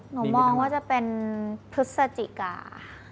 หนูมองว่าจะเป็นพฤศจิกา